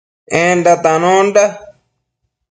Enda tanonda